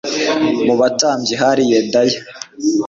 Mu batambyi hari Yedaya